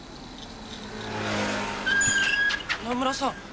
花村さん。